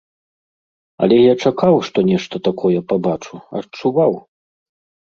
Але я чакаў, што нешта такое пабачу, адчуваў.